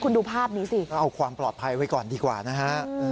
คุณดูภาพนี้สิก็เอาความปลอดภัยไว้ก่อนดีกว่านะฮะ